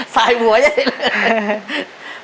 สายหัวอย่างนี้เลย